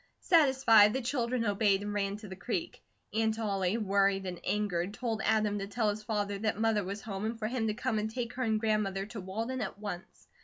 Satisfied, the children obeyed and ran to the creek. Aunt Ollie, worried and angered, told Adam to tell his father that Mother was home and for him to come and take her and grandmother to Walden at once.